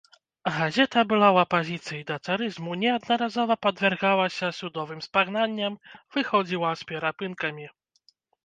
Газета была ў апазіцыі да царызму, неаднаразова падвяргалася судовым спагнанням, выходзіла з перапынкамі.